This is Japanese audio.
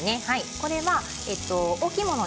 これは大きいもの